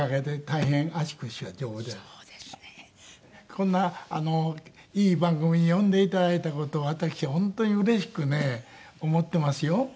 こんないい番組に呼んで頂いた事を私は本当にうれしくね思っていますよ。